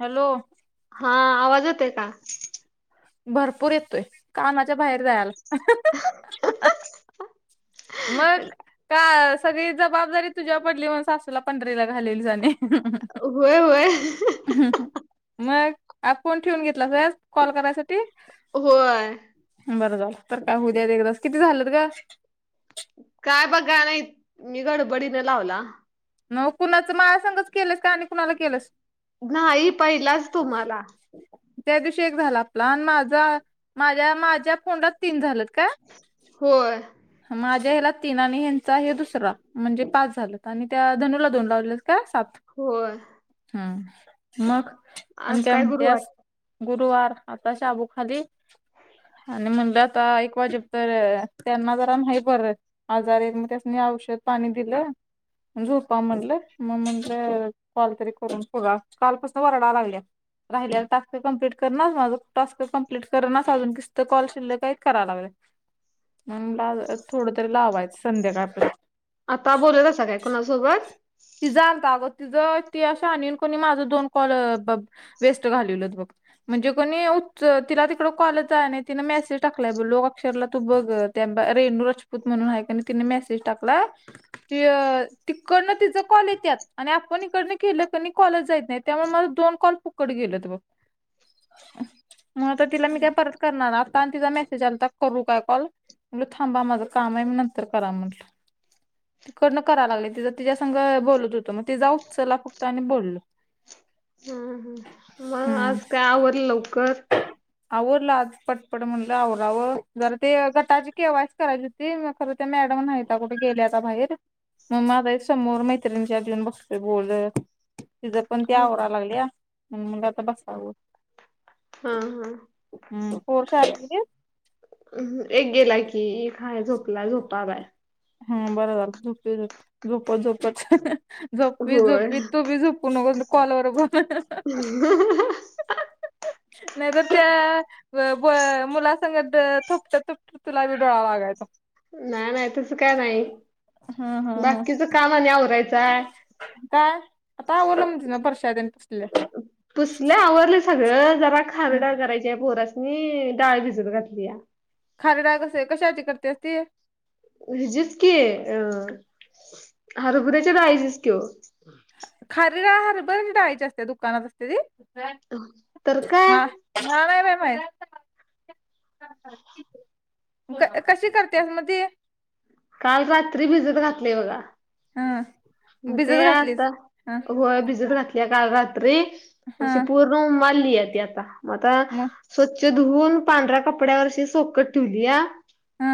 Hello. हा आवाज येतोय का. भरपूर येतोय कानाच्या बाहेर जायला मग का सगळी जबाबदारी तुझ्यावर पडली म्हण सासूला पंढरी ला घालवलीस आणी होय होय. ह मग फोण ठेवून घेतला त कॉल करायसाठी. होय बरं झालं तर का हो उ द्या एकदास किती झालंत ग. काय बघा नाही मी गड बडीने लावला. मग कुणाचं माला सगच केलंस का आणि कुणाला केलंस नाही पहिलाच तुम्हाला. त्या दिवशी एक झाला आपला आणि माझा माझ्या माझ्या फोंडात तीन झालंत का. होय. माझ्या ह्याला तीन आणि ह्यांचा हे दुसरं म्हणजे पाच झालं आणि त्या धनूला ला दोन लावलेत का सात. होय. हम् मग आणि आज काय गुरुवार म्हनत्यास. गुरुवार आता साबू खाली. आणि म्हणलं आता एक वाजेप तर त्यांना जरा नाही बर. आजारी आहेत मग त्यानी औषध पाणी दिलं. झोपा म्हटलं म म्हटलं कॉल तरी करून बघा कालपसून वराडा लागल्या. राहिल्याला टास्क कंमपलीट करणारस माझं टास्क कंमप्लीट कररानास अजून किस्त कॉल शिल्क आहे कराय लागली. [inaudible] म ला थोडं तरी लावायचं संध्याकाळ पर्येंत आता बोलत असा काय कुणासोबत. ति जाता अगं तिझं त अ आणन कोणी माझं दोन कॉल वेस्ट घालवलंत बघ. म्हणजे कोणी उ तिला तिकड कॉलच आहे नाही तिनं मेसेज टाकलाय ब लोक अक्षरला तू बघत त्या रेणू राजपूत म्हणून आहे आणि तिने मेसेज टाकला की तिकडन तिच कॉल येत्यात आणि आपण इकड केेलं क कॉलच जात नाही त्यामुळे मला दोन कॉल फुकटच गेलत बघ. [inaudible] मण तर तिला मी काय परत करणार आता आणि तिचा मेसेज आता करू काय कॉल. म्हलं थांबा माझं काम आहे मी नंतर करा म्हट- तिकडनं कराय लागले तिं तिच्या सं- बोलत होतो मग ते जाऊ चला फक्त आणि बोलल. हम ह मग हम्म आज काय आवरल लवकर. आवरलाआज पटपट म्हणलं आवरावं जरा ते गटाचे केवायसीच करायचे हो. ते मग खरं त्या मॅडम नाहीता कुठे गेल्या आता बाहेर. मग माता एक समोर मैत्रिणीच्या अऊन बसलोय बोलत. तिझं पण ती आवरा लागली मग आता बसावं. हा हा. हमम पोर शाळेत गेली. एक गेला की, खाय झोपला झोपा बाय. हम्म बराबर, झोपे झोपे, झोपच झोपच. झोपी होय झोपी तू बी झोपू नको कॉलवर ब ह [inaudible] नाही त, त्या, मुलासगत थोपटत थोप तुला बी डोळालागायचा. नाही नाही तस काय नाही हम्म हम्म हम्म बाकीच कामा आणी आ वरायचं. काय आता आवरले फरशा तेन पुसल्या. पुसले आवरले सगळं जरा खारीडाळ करायची पोरसनी डाळ भिजून घातली या. खारीडाळ कस कशाची करते अस ते. हिजेच की, अ हरभुऱ्याचे डाळीचीच किं ओ. हम् [inaudible] खरीडाळ हरभर डाळिची असत्या, दुकानात असते ती, काय? तर काय मला नाही माहित. कशी करत्यात म ती. काल रात्री भिजत घातलीय बघा. ह म ते भिजत आता, घातलीस ह होय भिजत घातली. काल रात्री, हा अशी पूर्ण उमलीय ती आता, म आता, मग स्वच्छ धुवून, पांढऱ्या कपड्यावर अशी सोकत ठेवली या, ह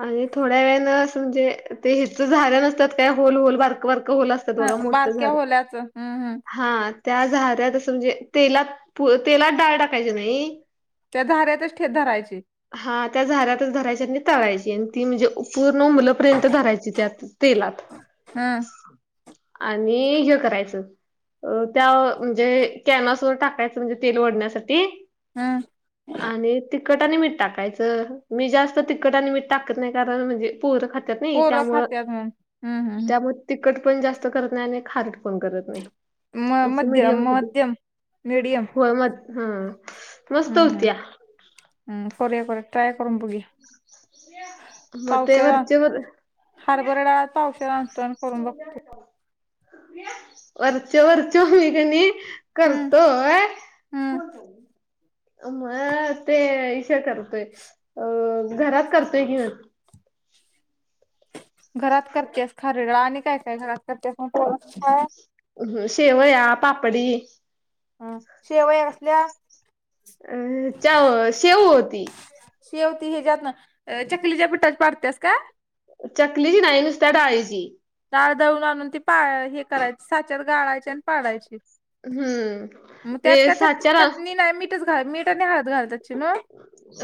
आणि थोड्या वेळने अस म्हणजे ते हेच झाऱ्या नसतात काय? होल होल बारक बारक होल असत‌. बघा ह मोठ बारक्या झालं, होल्याच हम् हम हा. त्या झार्यात असं म्हणजे, तेलात तेलात डाळ टाकायची नाही, त्या झाऱ्यातच ठे धरायची. हा, त्या झाऱ्यातच धरायच्या आणि तळायचीन. ती म्हणजे, पूर्ण उमुलंपर्यंत धरायची, त्यात तेलात. हम् आणि हे करायचं. अ त्या म्हणजे कॅनसवर टाकायचं, म्हणजे तेल ओढण्यासाठी. हम् आणि तिखट आणि मिठ टाकायचं, मी जास्त तिखट आणि मिठ टाकत नाही, कारण म्हणजे पोरं खातात नाही पोरं त्यामुळ, खात्यात म्हणून हम्म हम् त्यामु तिखट पण जास्त करत नाही, आणि खारट पण करत नाही. म असे मीडियम मध्यम मधी, मध्यम मीडियम होय म ह. हम्म हम्म हम्म करुया करुया, ट्राय करुन बघी म ते वरचे वर, हारबरा डाळत वरचे वरचे मी कणी, हम्म करतोय. हम्म म ते ईशे करतोय, अ घरात करतोय कि म. घरात करतेस खार डाळ, आणि काय काय घरात करतेस. शेवया, पापडी. ह शेवया असल्या अ च्या शेऊ होती. शेव ती हेच्यातन, चकलीच्या पिठात पाडतेस का? चकलीची नाही, नुसत्या डाळींची. डाळ दळून आणून, ती पा हे करायची साच्यात गाळायची आणि पाडायची. हम्म मग ते त्यात काय च साचार चटणी नाय, मीठच घाल मीठ आणि हळद घालत असशील नव्ह.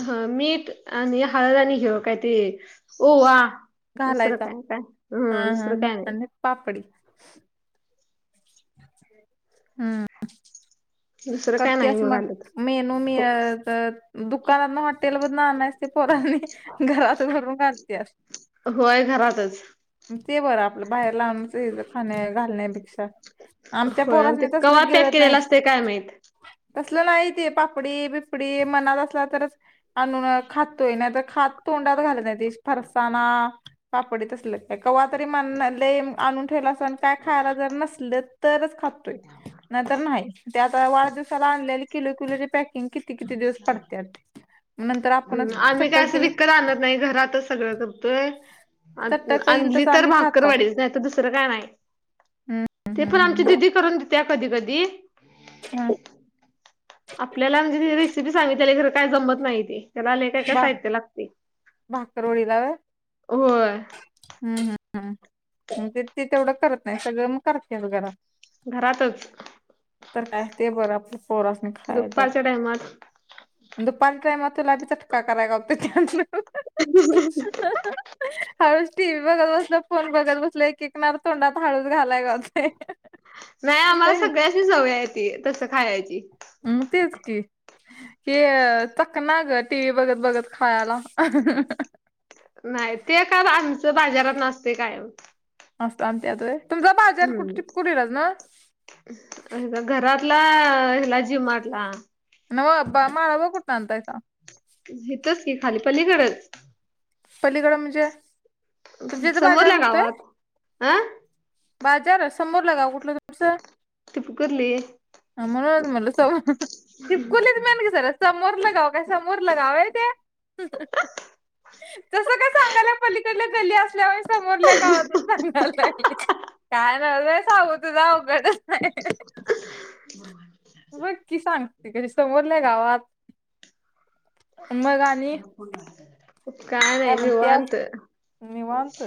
ह, मीठ आणि हळद, आणि हे काय ते, ओवा. दुसरं घालायचा काय काय, हा हम्म हा दुसरं हा काय नाय. आणि पापडी. हम्म. दुसरं काय नाही करतेयस मग म, घालत मेनू मी य त. दुकानातन, हॉटेल वरन आणयचे, ते पोरांनी घरात करून घालत्यात. होय घरातच. ते बरं आपलं, बाहेर ला आणूनच हे खाण्या घालण्या पेक्षा, आमच्या होय आणि ते पोरसनी तसल कवा पॅक गिळत नाहीत. केलेला असतय काय माहित तसलं नाही ते, पापडी बिपडी मनात असला तरच. आणून खातोय नाही तर खात- तोंडात घालनात. ते फरसाणा, पापडी तसलं काय कवातरी मन्हा लय आणून ठेवल. काय खायला जर नसलं, तरच खातोय. नाहीतर नाहय. ते आता वाढदिवसाला आणलेली किलो, किलोची पॅके किती किती दिवस पडत्यात. नंतर हम्म आपणच आम्ही काय असं [unintelligible] विकत आणत नाही घरातच. सगळं करतोय. चटक येईल आणली तसं तर आम्ही खाताव. भाकरवडीच नाही तर दुसरं काय नाही. हम्म ते पण हम्म आमची हम्म दिदी करून देत्या, कधी- कधी. हा आपल्याला म्हणजे रेसिपी सांगितली खरं काय जमत नाही ते. त्याला लय काय काय बा साहित्य लागते, भाकरवडीला व्हय होय. हम्म हम् हम ते ते तेवढं करत नाही, सगळं मग घरातच [unintelligible] तर काय ते बरं आपलं, पोरास्नी खायाय द्यायला. दुपारच्या टायमात दुपारच्या टाईमात तिला बी चटका कराय घावतोय [unintelligible] [unintelligible] हळुच टीव्ही बघत बसल्याव, फोन बघत बसल्याव एक एक [inaudible] तोंडात हळूच घालाय जातेय. नाय आम्हांला सगळ्यांशी सवय ती, तसं खायची म तेच की. ते चखना गं टिव्ही बघत- बघत खायला. नाय ते काल आमचं बाजारातन असते कायम. असल आणण्यात व्हय. तुमचा बाजार कुठं चिकोडीलाच. अ घरातला हिला जिमातला. नव्ह ब माळव कुठण आणतायसा. हितच की खाली पलीकडचं. पलीकड म्हणजे? तुमच्या इथे बाजार समोरल्या भरतोय? गावात. अं बाजार समोर [inaudible] कुठलं तुमसं टिप कुर्ली. म्हणून म्हटलं [inaudible] टिप कुर्ली समोरलं गाव, काय समोरलं गाव आहे ते? तस काय सांगाल्या पलीकडल्या गल्ली असल्यामुळे, समोरल्या गावातून काय नव्हय सांगू तुला अवघडच हाय. [unintelligible] बग की सांगते कशी, समोरल्या गावात, मग आणि [unintelligible] काय नाही काय म्हणत्यास निवांत. निवांत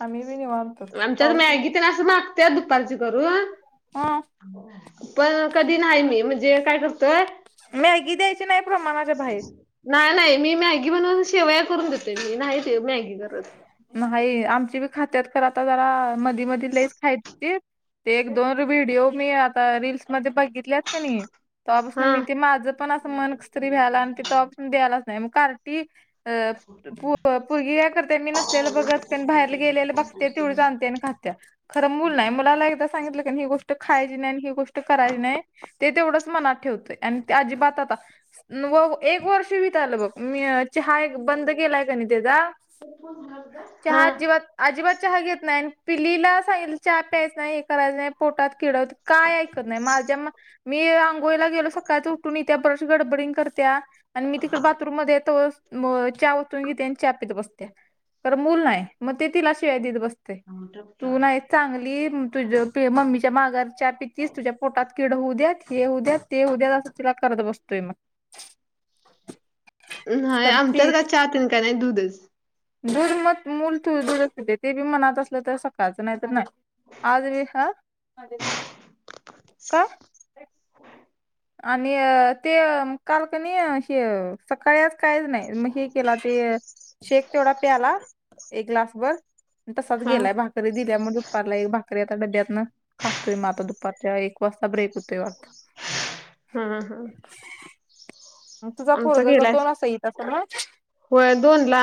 आम्ही बी निवांतच आमच्यात पाऊस मॅगी असं मागते, दुपारची करून. हा. पण कधी नाही मी. म्हणजे काय करतोय, मॅगी द्या नाही- नाही मी मॅगी म्हणून शेवया करून देते. मी नाही मॅगी करत. न्हाही आमची बी खात्यात, पण आता जरा मधी मधी लईच खाय ते एक -दोन. व्हिडओ मी आता रील्स मध्ये बघितल्यात का नाई तेव्हापासन हा मी ते माझ पण अस मन त्री व्यायला आणि ति तो ऑप्शन बी आलाच नाही मग काल ती अ पगी काय करते मी नसलेलं बघत बाहेरला गेलेले बघते तेवढी जाणते खात. खरं मूल नाही मुलाला एकदा सांगितलं क ही गोष्ट खायची नाही. आणि ही गोष्ट करायची नाही. ते तेवढंच मनात ठेवतय आणि अजिबात आता व एक वर्ष. मी चहा एक बंद केलाय तेचा चहा हा अजिबात. अजिबात चहा घेत नाही पिल्लीला सांगतल चहा प्यायच नाही. करायचं नाही पोटात किड [inaudible] काय ऐकत नाही माझ्या. मी आंघोळीला गेलो सकाळचं उठून येत्या पर गडबडीने करतीया आणि मी तिकडं बाथरूममध्ये तवरच चहा ओतून घित्या च्या पीत बसत्या तर मूल नाही मग ते तीला शिवा देत बसते तू नाही चांगली, तुझ पी मम्मीच्या माघार च्या पितीस तुझ्या पोटात किड होऊ द्या, हे होऊ द्यात, ते उद्यां तिला करत बसतोय मग न्हाय करती आमच्याच का चहातन कानाय दूधच. दूध मग मूल थू दूध अस ते ते बी मनात असलं तर सकाळचं नाही तर नाही. आर हा का. हो. आणि ते कालकनी श. सकाळी आज काहीच नाही मग हे केला ते शेक तेवढा प्याला एक ग्लासभर. तसाच हा गेलाय भाग. री दिल्यामुळेग दुपारला एक भाकरी आता ड्ड्यातन खासाततोय मग आता दुपारच्या एक वाजता ब्रेक होतोय आ. हा हा. तुझा आमचा पोरग का गेलाय दोन असा इ सग. होय दोन ला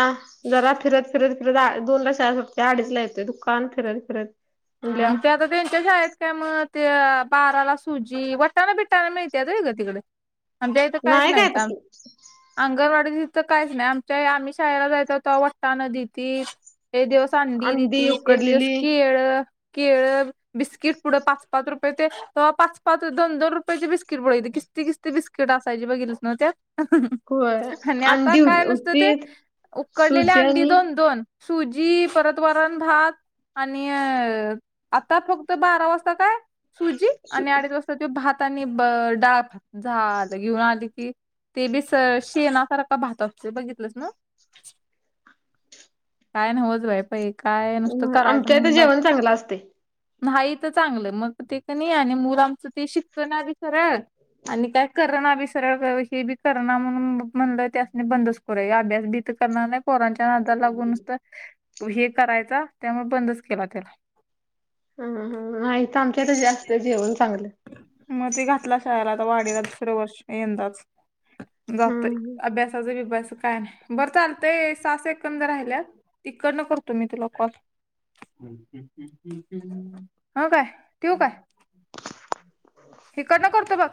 जरा फिरत फिरत फिरत दोन लषा सुटते अडीच ला येते दुकान फिरत फिरत. म्हणल्या ते आता त्यांच्या शाळेत. काय मग ते बाराला सुजी वटाणा बिटाणा मिळते त गं तिकडे आ त्या इथं काहीच नाही काय नाहीत. तसलं अंगणवाडी तिथं काहीच नाही आमच्या आम्ही शारला जायचो होतो वट्टा नदी त. एक दिवस अंडी दिली ती एक दिवस केळ केळ. बिस्किट पुढे पाच पाच रुपये ते ते पाच पाच दोन दोन रुपयाची बिस्किट बघली किस्ती किस्ती बिस्किट असायची बघेच ना त्यात. होय आणि आता अंडी काय नसत ते हुतीत उकडलेले सुजी अंडी आणि दोन, दोन सुजी परत वराण भात आणि आता फक्त बारा वाजता काय सुजी सु आणि अडीच वाजता भाता आणि डाळात झालं घेऊन आली की ते बीस शेणासारख भात अस बघितलंच ना [inaudible] काय नवच बाई पई काय नुसतं करायचं म्हण बाय. चांगला असते. नाही तर चांगलं मग ते क नाही आणि मुलं आमचं ते शिकवणारी खर्या आणि काय कर ना बी सरळ हे बी कर ना म्हणून म्हणलं त्या असने बंदच. पुर अभ्यास बीत करणार ना पोरांच्या नादा लागूनच तर हे करायचा त्यामुळे बंदच केला त्याला ह ह नाही. तर आमच्यात जास्त जेवण चांगलं मग ते घातला शाळेला आता वाडीला दुसरे वर्ष यंदाच. जातय हम्म. अभ्यासाच विभ्यास काय नाही बरं चालतय. सास एकंद राहिल्यात तिकडनं करतो मी तुला कॉस. हा काय ठेव काय. इकडं न करतो बघ.